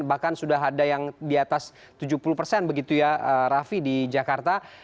bahkan sudah ada yang di atas tujuh puluh persen begitu ya raffi di jakarta